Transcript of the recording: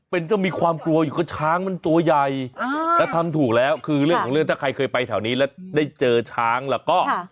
เป็นก็มีความกลัวอยู่ก็ช้างมันตัวใหญ่แล้วทำถูกแล้วคือเรื่องของเรื่องถ้าใครเคยไปแถวนี้แล้วได้เจอช้างแล้วก็